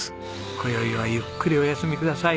今宵はゆっくりお休みください。